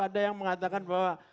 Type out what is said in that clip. ada yang mengatakan bahwa